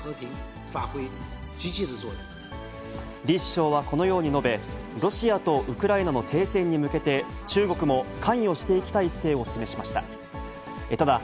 李首相はこのように述べ、ロシアとウクライナの停戦に向けて、中国も関与していきたい姿勢を示しました。